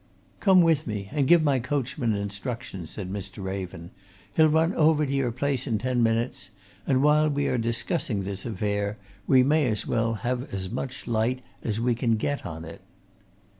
"Come with me and give my coachman instructions," said Mr. Raven. "He'll run over to your place in ten minutes; and while we are discussing this affair we may as well have as much light as we can get on it."